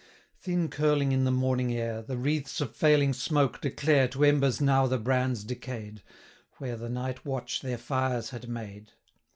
Thin curling in the morning air, The wreaths of failing smoke declare 550 To embers now the brands decay'd, Where the night watch their fires had made.